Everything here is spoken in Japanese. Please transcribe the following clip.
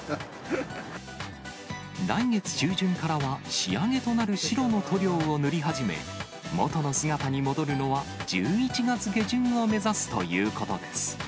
来月中旬からは仕上げとなる白の塗料を塗り始め、元の姿に戻るのは１１月下旬を目指すということです。